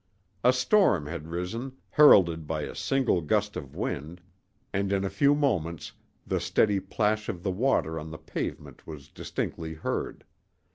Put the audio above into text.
A storm had risen, heralded by a single gust of wind, and in a few moments the steady plash of the water on the pavement was distinctly heard.